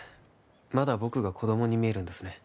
まだ僕が子供に見えるんですね